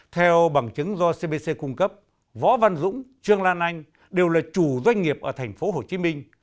theo bằng chứng do cbc cung cấp võ văn dũng trương lan anh đều là chủ doanh nghiệp ở thành phố hồ chí minh